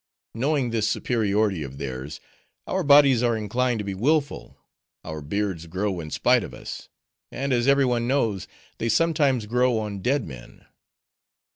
Knowing this superiority of theirs, our bodies are inclined to be willful: our beards grow in spite of us; and as every one knows, they sometimes grow on dead men."